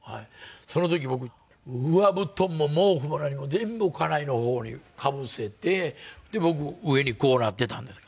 その時僕上布団も毛布も何も全部家内の方にかぶせて僕上にこうなってたんですから。